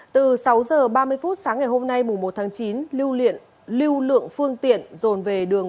từ sáu h ba mươi phút sáng ngày hôm nay mùa một tháng chín lưu lượng phương tiện dồn về đường